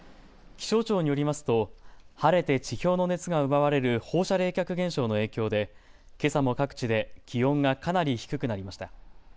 気象庁によりますと晴れて地表の熱が奪われる放射冷却現象の影響でけさも各地で気温がかなり低くなりました。